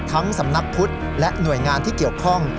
สำนักพุทธและหน่วยงานที่เกี่ยวข้อง